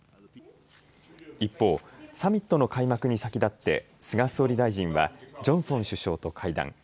一方、サミットの開幕に先立って菅総理大臣はジョンソン首相と会談。